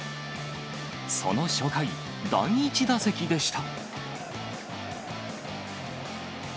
その初回、第１打席でした。